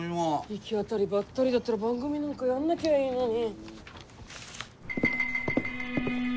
行き当たりばったりだったら番組なんかやんなきゃいいのに。